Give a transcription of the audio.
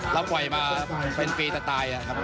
เราปล่อยมาเป็นปีแต่ตายนะครับ